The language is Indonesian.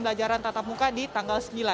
pembelajaran tatap muka di tanggal sembilan